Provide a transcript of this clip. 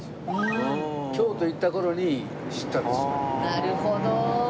なるほど！